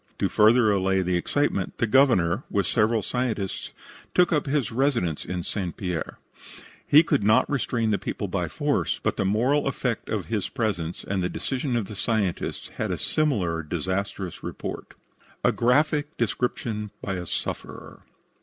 To further allay the excitement, the Governor, with several scientists, took up his residence in St. Pierre. He could not restrain the people by force, but the moral effect of his presence and the decision of the scientists had a similar disastrous result. A GRAPHIC DESCRIPTION BY A SUFFERER.